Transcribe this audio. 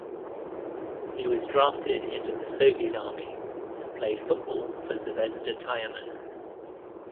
He was drafted into the Soviet Army and played football for Zvezda Tyumen.